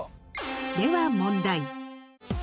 では問題。